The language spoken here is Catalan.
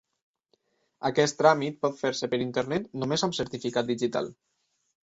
Aquest tràmit pot fer-se per internet només amb certificat digital.